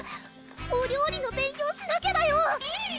お料理の勉強しなきゃだよ！